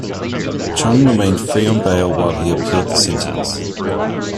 Chung remained free on bail while he appealed the sentence.